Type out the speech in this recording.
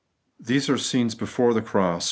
These are scenes before the cross; .